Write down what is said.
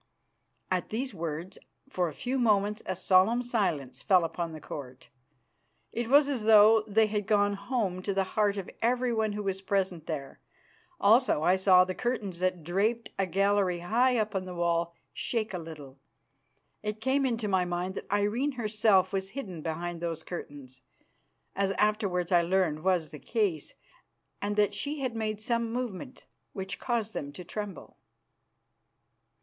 At these words for a few moments a solemn silence fell upon the Court. It was as though they had gone home to the heart of everyone who was present there. Also I saw the curtains that draped a gallery high up in the wall shake a little. It came into my mind that Irene herself was hidden behind those curtains, as afterwards I learned was the case, and that she had made some movement which caused them to tremble.